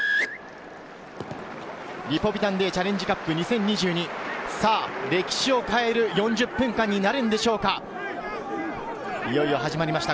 リポビタンＤチャレンジカップ２０２２、歴史を変える４０分間になるのでしょうか？